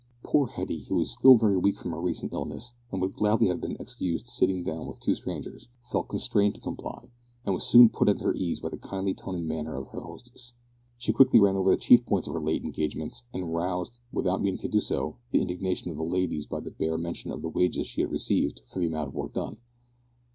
Poor Hetty, who was still very weak from her recent illness, and would gladly have been excused sitting down with two strangers, felt constrained to comply, and was soon put at her ease by the kindly tone and manner of the hostess. She ran quickly over the chief points of her late engagements, and roused, without meaning to do so, the indignation of the ladies by the bare mention of the wages she had received for the amount of work done.